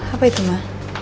apa itu ma